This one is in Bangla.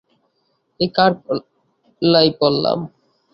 এ কার পাল্লায় পড়লাম!